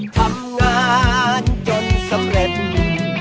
ทำงานจนสำเร็จ